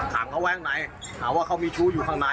ถังเขาแว้งไหนถามว่าเขามีชู้อยู่ข้างใน